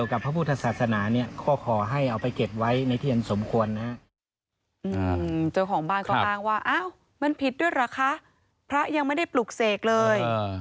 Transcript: ว่าอ้าวมันผิดด้วยเหรอคะพระยังไม่ได้ปลุกเสกเลย